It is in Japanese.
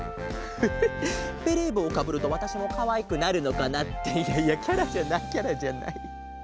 フフベレーぼうをかぶるとわたしもかわいくなるのかな。っていやいやキャラじゃないキャラじゃない。